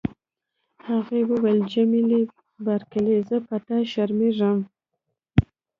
هغې وویل: جميله بارکلي، زه په تا شرمیږم.